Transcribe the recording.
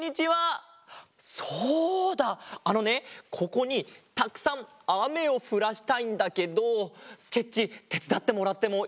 ここにたくさんあめをふらしたいんだけどスケッチーてつだってもらってもいい？